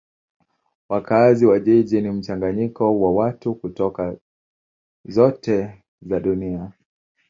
Wakazi wa jiji ni mchanganyiko wa watu kutoka zote za dunia.